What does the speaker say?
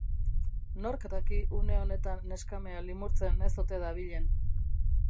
Nork daki une honetan neskamea limurtzen ez ote dabilen.